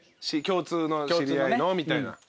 共通の知り合いのみたいな？